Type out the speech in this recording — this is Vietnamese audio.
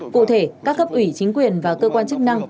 cụ thể các cấp ủy chính quyền và cơ quan chức năng